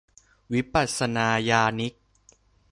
วิปัสสนายานิก